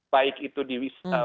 baik itu di wisma di kampung